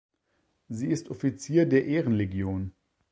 Sie ist Offizier der Ehrenlegion.